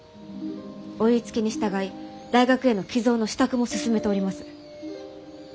お言いつけに従い大学への寄贈の支度も進めております。